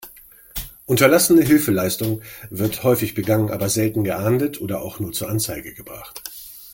Unterlassene Hilfeleistung wird häufig begangen, aber selten geahndet oder auch nur zur Anzeige gebracht.